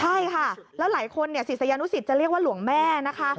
ใช่ค่ะแล้วหลายคนเนี่ยศิษยานุสิตจะเรียกว่าหลวงแม่นะคะ